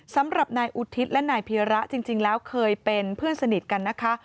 สำหรับนายอุทิศและนายเพียระจริงแล้วเคยเป็นเพื่อนสนิทกันนะคะ